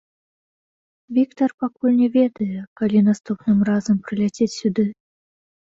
Віктар пакуль не ведае, калі наступным разам прыляціць сюды.